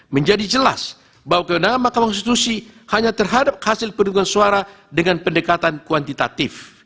menjadi jelas bahwa kewenangan mahkamah konstitusi hanya terhadap hasil pedungan suara dengan pendekatan kuantitatif